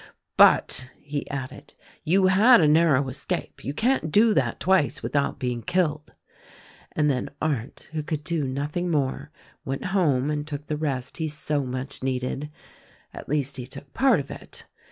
"But," he added, "you had a narrow escape — you can't do that twice without being killed." And then Arndt — who could do nothing more — went home and took the rest he so much needed. At least, he took part of it.